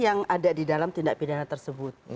yang ada di dalam tindak pidana tersebut